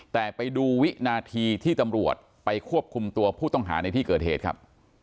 แต่ไปดูวินาทีที่ตำรวจไปควบคุมตัวผู้ต้องหาในที่เกิดเหตุครับ